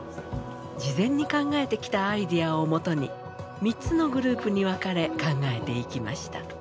事前に考えてきたアイデアをもとに３つのグループに分かれ考えていきました。